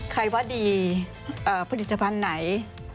ว่าดีผลิตภัณฑ์ไหน